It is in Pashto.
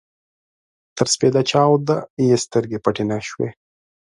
تر سپېده چاوده يې سترګې پټې نه شوې.